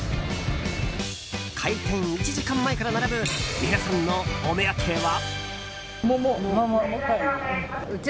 開店１時間前から並ぶ皆さんのお目当ては？